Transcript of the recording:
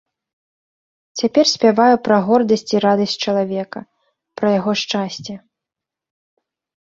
Цяпер спяваю пра гордасць і радасць чалавека, пра яго шчасце.